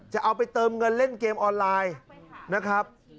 จะเอาไปเติมเงินเล่นเกมออนไลน์นะครับ